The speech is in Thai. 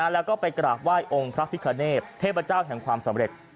แล้วก็ไปกราบไหว้องค์พระพิคเนธเทพเจ้าแห่งความสำเร็จ